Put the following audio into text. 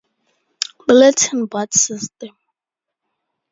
Bulletin Board System.